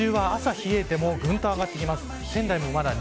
日中は朝冷えてもぐんと上がってきます。